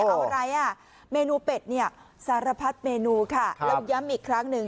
เอาอะไรอ่ะเมนูเป็ดเนี่ยสารพัดเมนูค่ะแล้วย้ำอีกครั้งหนึ่ง